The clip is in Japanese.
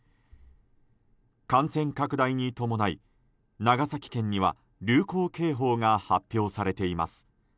感染拡大に伴い長崎県には流行警報が発表されています。